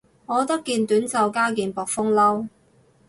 我得件短袖加件薄風褸